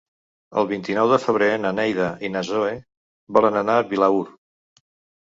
El vint-i-nou de febrer na Neida i na Zoè volen anar a Vilaür.